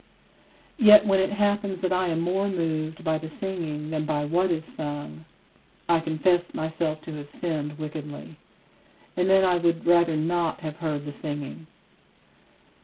Yet when it happens that I am more moved by the singing than by what is sung, I confess myself to have sinned wickedly, and then I would rather not have heard the singing.